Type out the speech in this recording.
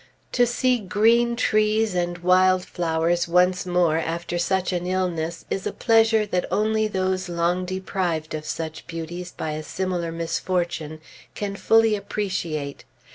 To see green trees and wild flowers once more, after such an illness, is a pleasure that only those long deprived of such beauties by a similar misfortune can fully appreciate.